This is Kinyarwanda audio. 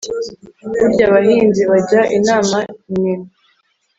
Burya abahinzi bajya inama inyoni